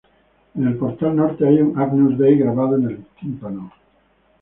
En el portal norte, hay un "Agnus Dei" grabado en el tímpano.